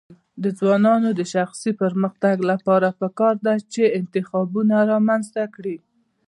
د ځوانانو د شخصي پرمختګ لپاره پکار ده چې انتخابونه رامنځته کړي.